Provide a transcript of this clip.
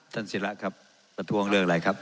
ท่านศิรัครับประธุองค์เรื่องอะไรครับ